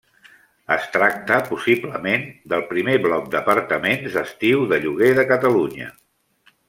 Es tracta, possiblement, del primer bloc d’apartaments d’estiu de lloguer de Catalunya.